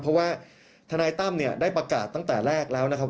เพราะว่าทนายตั้มเนี่ยได้ประกาศตั้งแต่แรกแล้วนะครับ